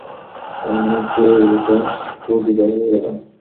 অমনিতেই এটা সুদৃঢ় হয়ে গেল।